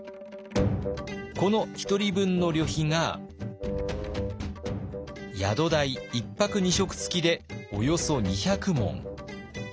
この１人分の旅費が宿代１泊２食付きでおよそ２００文。